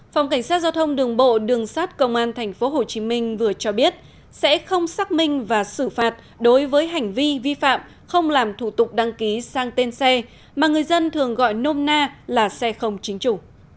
phòng cảnh sát giao thông đường bộ đường sát công an tp hcm vừa cho biết sẽ không xác minh và xử phạt đối với hành vi vi phạm không làm thủ tục đăng ký sang tên xe mà người dân thường gọi nôm na là xe không chính chủ